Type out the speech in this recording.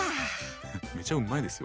めちゃうまいですよ。